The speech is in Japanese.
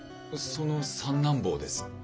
その三男坊です。